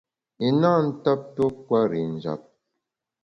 I na ntap tuo kwer i njap.